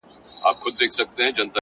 نن داخبره درلېږمه تاته _